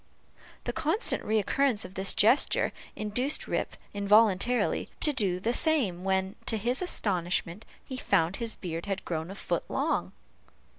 The constant recurrence of this gesture, induced Rip, involuntarily, to do, the same, when, to his astonishment, he found his beard had grown a foot long!